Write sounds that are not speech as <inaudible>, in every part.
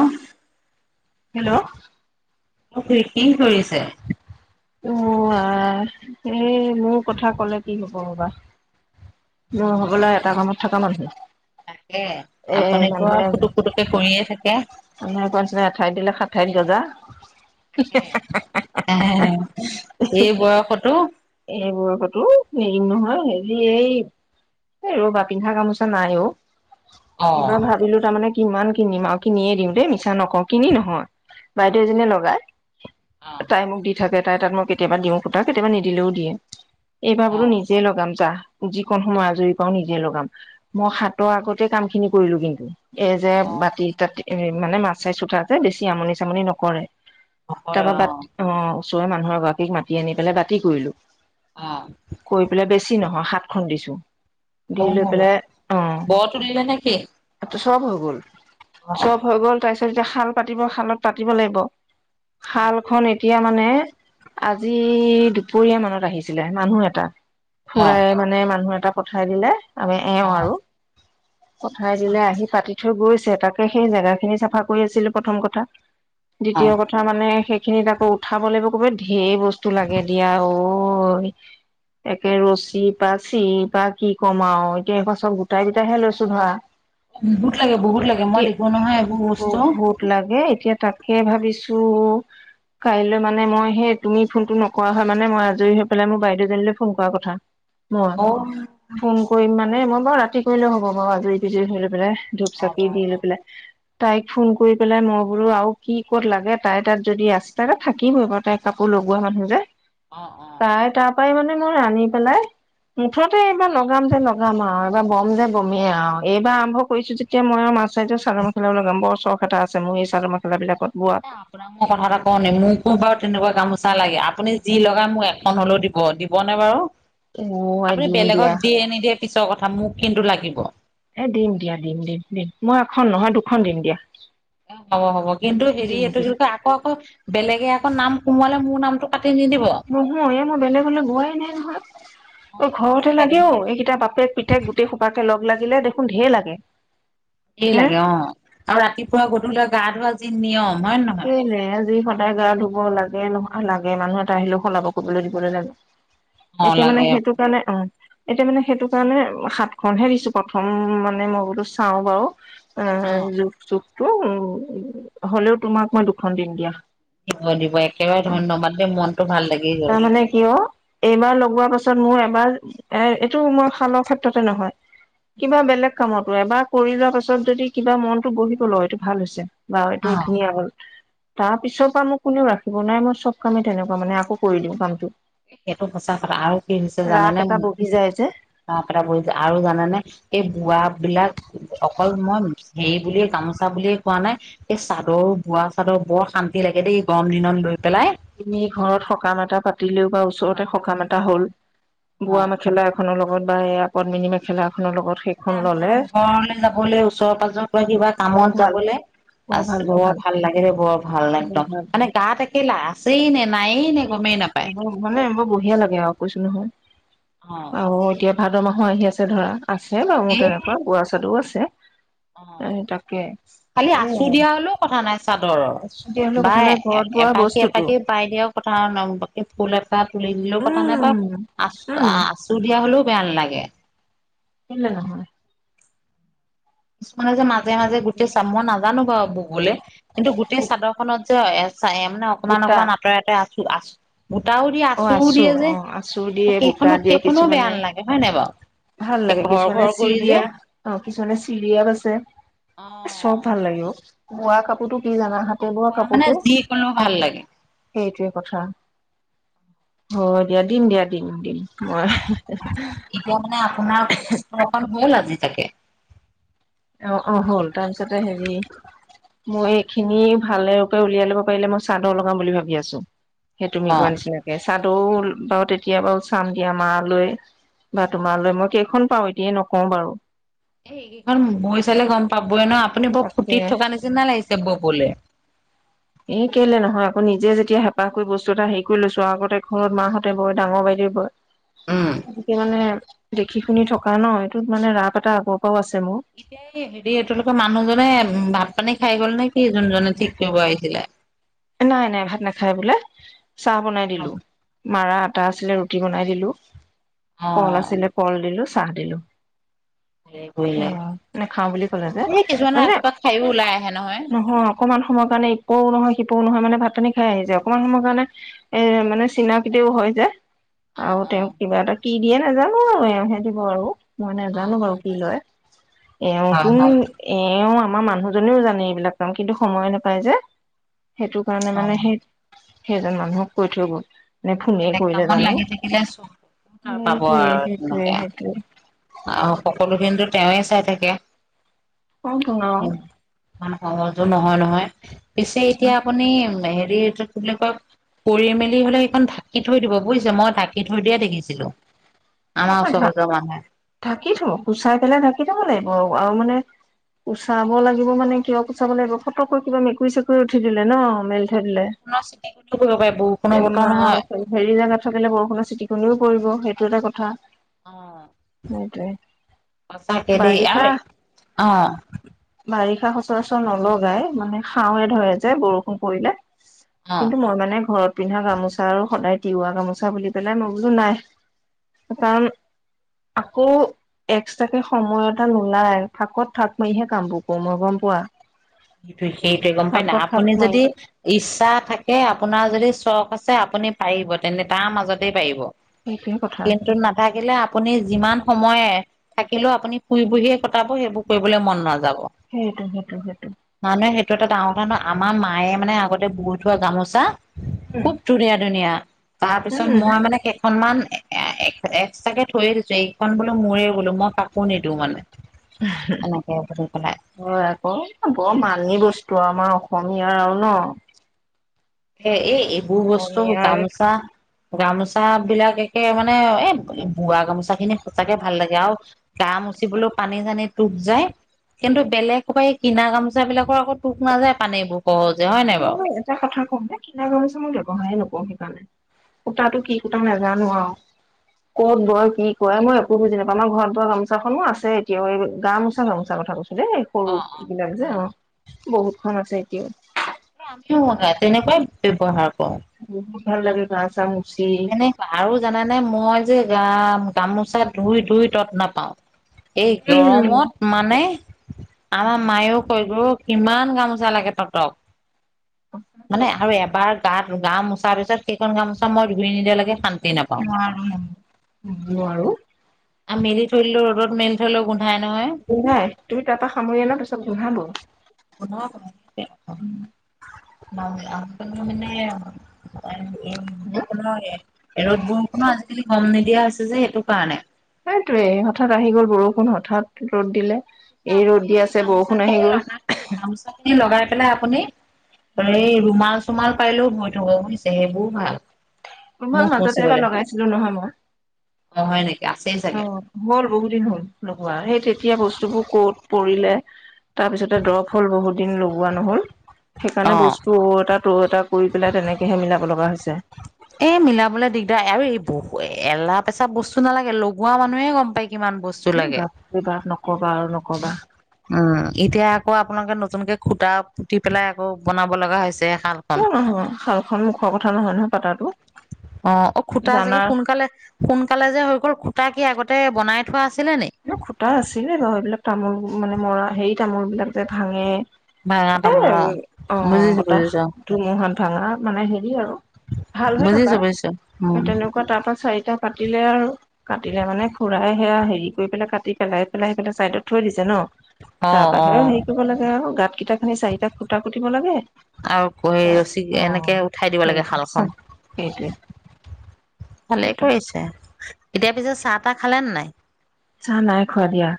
আহ হেল্ল' মোক ক্ৰটিং কৰিছে অ আহ সেই মোৰ কথা কলে কি হ'ব বাবা ন উম, সকললে এটা কামত থকা মানুহ তাকে এ আপুনিতো আৰু মানুহে ফুটুক ফুটুকে কৰিয়ে থাকে। মানুহে কোৱাচনা এঠাই দিলে খ থেংকউ জা এই বয়সতো এইবোৰ কতো হেৰি নহয় হেৰি এই এই ৰবা পিন্ধা গামোচা নাই অ অ', এইবাৰ ভাবিলো তাৰমানে কিমান কিনিম আৰু কিনিয়ে দিম দেই মিছা নকওঁ কিনি নহয় বাইদেউ এজনীয়ে লগাই অ', তাই মোক দি থাকে তাই তাত মই কেতিয়াবা দিওঁ পুতা কেতিয়াবা নি দিলেও দিয়ে এইবাৰ বোলো অ', নিজে লগাম যাহ যিকোন সময় আজৰি পাওঁ নিজে লগাম মই হাতৰ আগতে কাম খিনি কৰিলো কিন্তু এই যে অ'। বাতি তা মানে মাছ চাইছোতা যে বেছি আমনি চামনি নকৰে তাৰপৰা ব অ ওচৰেৰে মানুহৰ গৰাকীক মাতি আনি পেলাই বাতি কৰিলো অ', কৰি পেলাই বেছি নহয় হাত খন দিছো দি অ', পেলাই বৰ তুলিলে নেকি? অ চব হৈ গ'ল অ', চব হৈ গ'ল তাৰ পিছত যেতিয়া শাল পাতিব শালত পাতিব লাগিব শাল অ', খ এতিয়া মানে আজি দু দুপৰীয়া মানত আহিছিলে মানুহ এটা অ', ফুৰাই মানে মানুহ এটা পঠাই দিলে আমি এওঁ আৰু পঠাই দিলে অ'। আহি পাতি থৈ গৈ তাকে সেই জেগা খিনি চাফা কৰি আছিলো প্ৰথম কথা দ্বিতীয় অ', কথা মানে সেইখিনিত আকৌ উঠাব লাগ ক'ব ঢেৰ বস্তু লাগে দিয়া অ একে ৰছী বা চি বা কি কমা আৰু এতিয়া সব চব গোটাই গোটাই হে লৈছো ধৰা বহুত লাগে বহুত লাগে মই এতিয়া দেখো নহয় এইবোৰ বস্তু। বহুত লাগে এতিয়া তাকে ভাবিছো কাইলৈ মানে মই সেই তুমি ফোনটো নক ক হয় মানে মই আজৰি হৈ পেলাই মোৰ বাইদেউজনীলৈ ফোন কৰা কথা মই অ', ফোন কৰি মান মানে মই বাৰু ৰাতি কৰিলেও হ'ব বাৰু আজুৰি বিজুৰি হৈ লৈ পেলাই ধূপ অ', চাকি দি লৈ পেলাই তাইক ফোন কৰি পেলাই মই বোলো আৰু কি ক'ত লাগে তাই তাত যদি আস্তা থাকিবই বাৰু তাই কাপোৰ লগোৱা মানুহ যে অ', অ'। তাই তাৰ পৰাই মানে মই আনি পেলাই মুঠতে এইবাৰ লগাম যে লগাম আৰু এইবাৰ বম যে বমেই আৰু এইবাৰ আৰম্ভ কৰিছো যেতিয়া মই পাঁচ চাইজো চাদ মেখেলা লগাম বৰ চখ এটা আছে মোৰ এই চাদৰ মেখেলা বিলত এ আপোনাক মই কথা এটা কওঁ ন মোকো বাৰু তেনেকুৱা গামোচা লাগে আপুনি যি লগা মোক এখন হ'লেও দিব দিবনে বাৰু অ আই আপুনি দিম বেলেগক দিয়া দিয়ে নিদিয়ে পিছৰ কথা মোক কিন্তু লাগিব এ দিম দিয়া দিম দিম দিম মই এখন নহয় দুখন দিম দিয়া এ হ'ব হ'ব কিন্তু হেৰি দিম এইটো দিম কিয় আকৌ আকৌ বেলেগে আকৌ নাম কোমোৱালে মোৰ নামটো ক নহয় এই মই বেলেগলে গোৱাই নাই নহয় অ ঘৰতে লাগেও এইকেইটা বাপেক পুতেক গোটেই সোপাকে লগ লাগিলে দেখোন ঢেৰ লাগে ধেৰ হে লাগে অ আৰু ৰাতিপুৱা গধূল গা ধোৱা যি নিয়ম হয় নে নহয়? এনে আজি সদায় গা ধুব লাগে নহয় লাগে মানুহ এটা আহিলেও সলাব কৰিবলৈ দিবলৈ লাগে অ একে মানে লাগে সেইটো কাৰণে অ এতিয়া মানে সেইটো কাৰণে সাত খনহে দিছো প্ৰথম মানে মই বোলো চাও বাৰু অ জখ চখটো উ হলেও তোমাক মই দুখন দিন দিয়া দিব দিব একেবাৰে ধন্যবাদ দেই মনটো ভাল লাগি গ'ল। তাৰমানানে কিয় এইবাৰ লগোৱাৰ পাছত মোৰ এবাৰ এ এইটো মই খালৰ ক্ষেত্ৰতে নহয় কিবা বেলেগ কামতো এবাৰ কৰি যোৱা পাছত যদি কিবা মনতটো বহিব লয় এইটো ভাল হৈছে বা অ এইটোও ধুনীয়া হ'ল তাৰ পিছৰ পৰা মোক কোনেও ৰাখিব নাই মই চব কামেই তেনেকুৱা মানে আকৌ কৰি দিওঁ কামটো সেইটো সঁচা কথা আৰু কি হৈছে ৰাপ জানেনেে এটা ব বহি যায় যে পটা পৰিছে আৰু জানোনে এই বোৱা বিলাক অকল মই হেৰি বুলিয়ে গামোচা বুলিয়ে কোৱা নাই সেই চাদৰ বোৱা চাদৰ বৰান লাগে দেই গৰম দিনত লৈ পেলাই তুমি ঘৰত সকাম এটা পা কাতিলেও বা ওচৰতে সকামতে সকাম পাতিলে এটা অ হ'ল অ বোৱা মেখেলা এখনৰ লগত বা এই আ কদ্মিনী মেখেলা এখনৰ লগত সেইখন এতিয়া আমি ললে নামঘৰলৈ যাবলৈ ওচৰ পাজৰ পৰা কিবা বৰ কামত ভাল যাবলৈ আ বৰ ভাল লাগে দে বৰ ভাল বৰ একদম ভাল মানে গাত একেলা আছেই নে নায়েই নে গমেই নাপায় এব মানে বৰ বঢ়িয়া লাগে আৰু কৈছো অ নহয় আৰু এতিয়া ভাদ মাহো আহি আছে ধৰা আছে বাৰু মোৰ এই তেনেকুৱা বৰা চাদও আছে অ এ তাকে খালি এ আছো দিয়া হলেও কথা নাই চাদৰৰ দিয়া হলেও বা কথা নাই ঘৰত বোৱা এপাকি বস্তুটো এপাকি পাই দিয়ে কথা ন ফুল এটা তুলি দিলেও পতা নাই বাৰু উম আচ উম আচু দিয় য়া হ'লেও বেয়া নালাগে কেলে নহয় মানে যে মাজে মাজে গোটেই চাদ মই নাজানো বাৰু বুগলে কিন্তু গোটেই চাদৰ খত যে চাই মানে অকমান বুটা অকণমান আঁতৰে আঁতই আছো আছো গোটাও দিয়ে অ আচুৰো আছো দিয়ে যে অ আছো দিয়ে বুটা সেইখনো দিয়ে সেইখনো বেয়া কিছুমানে নালাগে হয় নাই বাৰু ভাল এই লাগে ঘৰ কিছুমানে ঘৰ চি কৰি যে দিয়া অ কিছুমানে চি বিয় আছে অ চব ভাল লাগিব বোৱা কাপোৰতো কি জানা হাতে বোৱা মানে কাপোৰটো যি কলেও ভাল লাগে সেইটোৱে কথা অ দিয়া দিম দিয়া দিম দিম মই এটোয়া মানে আপোনাৰ কষ্টঅকণ হল আজি তাকে অ অ হ'ল টাইমছতে হেৰি মই এইখিনি ভালকে উলিয়াই লব পাৰিলে মই চাদৰ লগাম বুলি ভাবি আছো সেই তুমি কোৱা অ নিচিনাকে চাদৰও বাৰু তেতিয়া বাৰু চাম দিয়া মা লৈ বা তোমালৈ মই কেইখন পাও এতিয়ে নকওঁ বাৰু এইকেইখন বৈ চালে গম পাবই ন আপুনি বৰ তাকে ফুৰ্তিত থকা নিচিনা লাগিছে ববলে এই কেলে নহয় আকৌ নিজে যেতিয়া হেঁপাহ কৰি বস্তু এটা হেৰি কৰি লৈছো আগতে ঘৰত মাহঁতে বয় ডাঙৰ বাইদেউ বয় উম। গতিকে মানে দেখি শুনি থকা ন এইটোত মানে ৰাপ এটা আগৰ পৰাও আছে মোৰ এতিয় হেৰি এইটোলোকৰ মানুহজনে ভাত পানী খাই গল নে কি যোনজনে ঠিক কৰিব আহিছিলে নাই নাই ভাত নাখায় বোলে চাহ বনাই অ দিলো মাৰা আটা আছিলে ৰুটি বনাই দিলো কল অ', আছিলে কল দিলো চাহ দিলো হেৰি কৰিলে নেখাও বুলি কলে যে এই কিছুমানে মানে ৰাতিপুৱা খায়ো ওলাই আহে নহয় অকমান সময়ৰ কাৰণে একো নহয় শপও নহয় মানে ভাত খানী খাই আহি যায় অকমান সময়ৰ কাৰণে এ মানে চিনাকতিও হৈ যায় অ আৰু অ তেওঁক কিবা এটা কি দিয়ে নাজানো আৰু এওঁ সে দিব আৰু মই অ নাজানো বাৰু কি লয় এওঁ হয় তুম হয় এওঁ আমাৰ মানুহজনেও জানে এইবিলাক কাম কিন্তু সময় নাপায় যে সেইটো কাৰণে অ মানে সেই সেইজন মানুহক কৈ থৈ গ'ল নে ফোনে কেলে কৰিলে মন জানো লাগেছে কি যেছো পাব সেইটোৱে আৰু সেইটোৱে সেনেকে সেইটোৱে সকলো হিন্দুত তেওঁ চাই থাকে ইমান <unintelligible> সহজো নহয় নহয় পিছে এতিয়া আপুনি হ কৰি মেলি হলে সেইখন ঢাকি থৈ দিব বুজিছ মই ঢাকি থৈ দিয়ে দেখিছিলো আমাৰ নহয় ওচৰ ঢা পৰ মানুহে ঢাকি থাব কুচা পেলাই ঢাকি থাব লাগিব আৰু মানে কুচাব লাগিব মানে কিয় কুচাব লাগিব ফতকৈ কিবা মেকুৰী চেকুৰী উঠি দিলে ন মেলি থৈ আৰু ললে বৰষুণৰ চিটিকটিও কৰিব পাৰে বৰষুণৰ বতৰ নহয় হেৰি জোগাত থাকিলে বৰষুণৰ চিট খুন্দও কৰিব সেইটো এটা কথা অ সেইটোৱে পচাকে দ বাৰিষা আৰু অ বাৰিষা সচৰাচৰ নলগাই মানে খাওঁৱে ধৰে যে বৰষুণ পৰিলে অ কিন্তু মই মানে ঘৰত পিন্ধা গামোচা আৰু সদায় তিৱা গামোচা বুলি পেলাই মই বোলো নাই কাৰণ আকৌ এক্সট্ৰাকে সময় এটা নোলাই থাকত থাক মাৰিহে কামবোৰ কৰো মই গম পোৱা সেইটো সেইটোৱে গম পাই নাই থাকত থাক আপুনি মাৰি যদি ইচ্ছা থাকে আপোনাৰ যদি চখ আছে আপ আপুনি পাৰিব তেন্তে তাৰ মাজতেই পাৰিব সেইটোৱে কথা কিন্তু নাথাকিলে আপুনি যিমান সময় থাকিলেও আপুনি শুই বহিয়ে কটাব সেইবোৰ কৰিবলৈ মন নাযাব সেইটো সেইটো সেইটো মানুহে সেইটো এটা ডাঙৰ কথা নহয় আমাৰ মায়ে মানে আগতে বুৈ থোৱা গামোচা খুব ধুনীয়া ধুনীয়া তাৰপিছত উম মই মানে কেইখনমান এক্সট্ৰাকে থৈয়ে দিছো এইখন বোলো মোৰে বোলো মই কাপো নিদিওঁ মানে এনেকে বুলি পেলাই হয় আকৌ বৰ ম ধী বস্তু আমাৰ অসমীয়াৰ আৰু ন এ এ এইবোৰ বস্তু অসমীয়াৰ গামচা গামোচা বিলাক একে মানে এ বোৱা গামোচা খিনি সচাকে ভাল লাগে আৰু গা মুচিবলৈও পানী জানি টোপ যায় কিন্তু বেলেগ বা কিনা গামোচা বিলাকৰ আকৌ টোক নাযায় পানীবোৰ সহজে হয় নাই বাৰু মই এটা কথা কিনা গামোছে মই ব্যৱহায় নকৰো সেইকাৰণে সূতাতটো কি সূতা নোজানো আৰু কত বৰ কি কয় মই একো বুজিাপাওঁ আমাৰ ঘৰত বোৱা গামোচাখননো আছে এতিয়া গামোচা গামোচা কথা কৈছো দেই সৰু অ অ বিলাক যে উম অ বহুত খন আছে এতিয়াও আমিও তেনেকুৱাই ব্যৱহাৰ কৰো। বহুত ভাল লাগে গা চা ম তেনেকুৱা আৰু জানোনে মই যে গ গামোচা ধুই ধুই তত্ নাপাও এই উম গৰমত মানে আমাৰ মায়েও কৈ গো কিমান গামোচা লাগে তহঁতক মানে আৰু এবাৰ গাত গা মোচা পিছত সেইখন গাামোচা মই ধূৰি নিদিয়া লাগে নোৱাৰো নোৱাৰো আৰু মেলি থৈলো ৰ'দত মেলি থলেও গোন্ নাই তুমি তাৰ পৰা সামৰি আ ন পিছত ঘোধাব <unintelligible> ন আ মানে ৰদোৰো ৰ'দ বোৰ কো আজিকালি গম নিদিয়া হৈছে যে সেইটো কাৰণে সেইটোৱে হঠাৎ আহি গ'ল বৰষুণ হঠাৎ ৰ'দ দিলে এই ৰ'দ আপুনি দি আছে গামোচা বৰষুণ আহি খিনি গ'ল লগা গামোচা খিনি লগাই পেলাই আপুনি এই ৰুমাল চুমাল পাৰিলেও হৈ থব বুজিছে সেইবোৰ ভাল মই মুখ সাজতে এব মুচিবলে লগাইছিলো নহয় মই অ হয় নেকি আছেই অ চাগে হ'ল বহুত দিন হ'ল লগোৱা সেই তেতিয়া বস্তুবোৰ কত পৰিলে তাৰপিছতে দৰপ হ'ল বহুত দিন লগোৱা নহল অ সেইকাৰণে বস্তু তাত ত এটা কৰি পেলাই তেনেকেহে মিলাব লগা হৈছে <unintelligible> এ মিলাবলৈ দিগদাৰ আৰু এই বহু এলাহ পেচা বস্তু নালাগে লগোৱা মানুহে গম পায় কিমান বস্তু উম লাগে ভাত কৰিবিবা নকবা আৰু নকবা এতিয়া আকৌ আপোনালোকে নতুনকৈ খুটা পুতি পেলাই আকৌ বনাব লগা হৈছে শালখন কিয় নহয় শালখন মুখৰ কথা নহয় নহয় পাতাটো অ অ খুটা জানা চাগে সোনকালে সোনকালে যে হৈ গ'ল খুটা কি আগতে বনাই থোৱা আছিলে নি খুটা আছিলে ৰ সেইবিলাক তামোল মানে মৰা হেৰি তামোল বিলাক যে ভাঙে ভাঙা এ তামোল অ বুজিছো বতাহ বুজিছো ধুমুহাত ভাঙা মানে হেৰি আৰু ভাল হৈ থকা বুজিছো বুজিছো উম। তেনেকুৱা তাৰ পৰা চাৰিটা কাটিলে আৰু কাটিলে মানে খুৰাই সেয়া হেৰি কৰি পেলাই কাটি পেলাই স পেলাই সিফাই চাইডত থৈ দিছে ন অ', তাৰপােও অ'। হেৰি কৰিব লাগে আৰু গাত কেইটা খি চাৰিটাুটা কুটিব লাগে আৰু হেৰি ৰছী অ এনেকে উঠাই দিব লাগে সেইেই শালখন সেইটোৱেই ভালেই কৰিছে এতিয়া পিছে চাহ তাহ খালে নে নাই চাহ নাই খোৱা দিয়া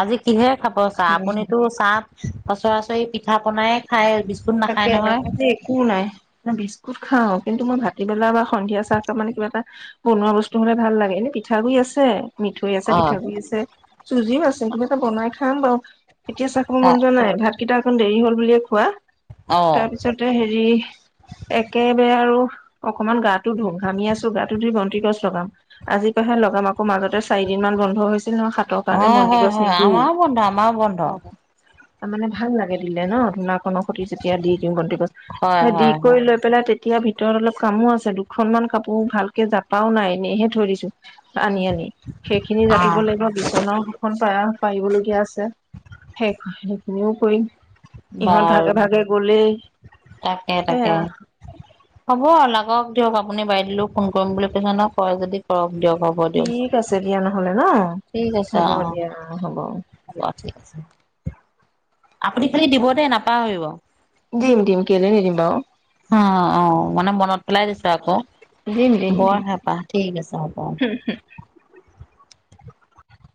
আজি কিহে খাব চাহ আপুনিতো চাহ সচৰাচৰি পিঠা পনাই খাই তাকে আতে একো নাই ন বিস্কুট খাও কিন্তু মই ভাটিবেলা বা সন্ধিয়া চাহকাপ মানে কিবা এটা বনোৱা বস্তু হলে ভাল লাগে এনে পিঠাগু়ি আছে মিঠৈ আছে অ', পিঠাগু়ড়ি আছে চুজিও আছে কিন্তিবা এটা বনাই খাম বাৰু এতিয়া চাহ খাব মন অ', যোৱা নাই ভাতকেইটা এখন দেৰি হল বুলিয়ে খোৱা তাৰ পিছতে হেৰি হয় একেবাৰে আৰু অকনমান গাটো ধ ঘামি আছো গাটো ধুই বন্তি গছ লগাম আজিৰ পৰাহে ব আকো মাজতে চাৰিদিন মান বন্ধ হৈছে নহয় হাতৰ কাৰণে হয়, মন্দিৰ হয়, গছ হয় নিদো আমাৰো বন্ধ আমাৰো বন্ধ। অ তাৰ মানে ভাল লাগে দিলে ন ধূনাখনৰ সৈতে যেতিয়া দি দিওঁ বন্তি হয়, দি হয়, হয় কৰি লৈ পেলাই তে এতিয়া ভিতৰত অলপ কামো আছে দুখনমান কাপোৰ ভালকে জাপাও নাই এনেইহে থৈ দিছো আনি আনি সেইখিনি জাপিব অ' লাগিব বিচন দুখন প পাৰিবলগীয়া আছে শেষ সেইবোৰ কৰি বা তাকে তাকে এয়া হ'ব আৰু লাগক দিয়ক আপুনি বাইদিলেও ফোন কৰিম বুলি কৈছে ন হয় যদি কৰক দিয়ক হ'ব দিয়ক। ঠিক আছে দিয়া নহলে ন হ'ব দিয়া হ'ব অল ঠিক আছে আপুনি খালি দিব দে নাপাহ হৰিব দিম দিম কেলে নিদিম বাৰু অ অ মানে মনত পেলাই দিছো আকৌ দিম দিম বৰ দিম হেঁপাহ ঠিক আছে হ'ব